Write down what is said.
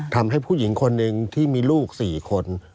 ทำให้ผู้หญิงคนหนึ่งที่มีลูก๔คน